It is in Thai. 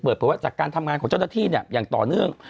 เปิดเผยว่าจากการทำงานของเจ้าหน้าที่เนี่ยอย่างต่อเนื่อง